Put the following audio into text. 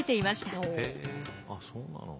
へえあっそうなの。